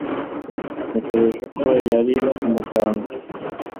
Natekereje ko yari umuganga